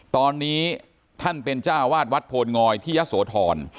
ตอนนี้ท่านเป็นจ้าวาดวัดโพลงอยที่ยะโสธร